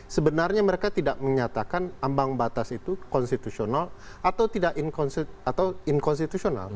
sebenarnya mereka tidak menyatakan ambang batas itu konstitusional atau tidak inkonstitusional